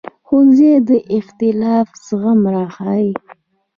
ښوونځی د اختلاف زغم راښيي